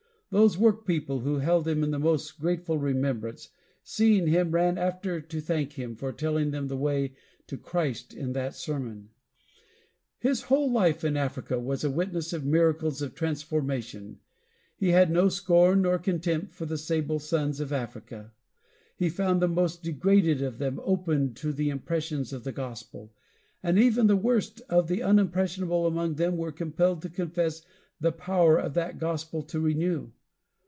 Those work people, who held him in the most grateful remembrance, seeing him, ran after him to thank him for telling them the way to Christ in that sermon. His whole life in Africa was a witness to miracles of transformation. He had no scorn nor contempt for the sable sons of Africa. He found the most degraded of them open to the impressions of the gospel, and even the worst and unimpressionable among them were compelled to confess the power of that gospel to renew.